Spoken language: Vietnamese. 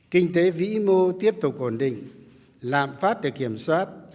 kinh tế vĩ mô tiếp tục ổn định lạm phát được kiểm soát